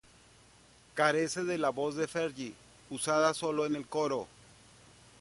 Carece de la voz de Fergie, usada sólo en el coro.